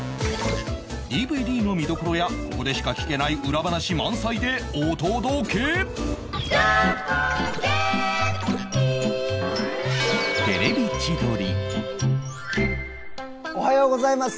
ＤＶＤ の見どころやここでしか聞けない裏話満載でお届けおはようございます。